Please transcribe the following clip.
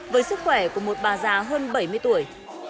với sức khỏe của một bà già hơn bảy mươi tuổi